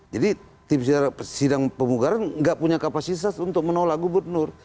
jadi tim sidang pemugaran gak punya kapasitas untuk menolak gubernur